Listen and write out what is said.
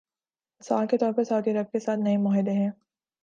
مثال کے طور پر سعودی عرب کے ساتھ نئے معاہدے ہیں۔